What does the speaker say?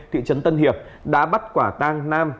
thị trấn tân hiệp đã bắt quả tang nam